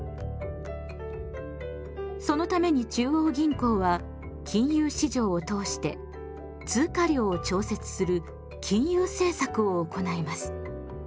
そのために中央銀行は金融市場を通して通貨量を調節する「金融政策」を行います。